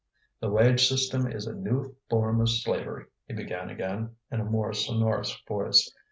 "The wage system is a new form of slavery," he began again, in a more sonorous voice.